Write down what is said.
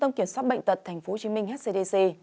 trung tâm kiểm soát bệnh tật tp hcm hcdc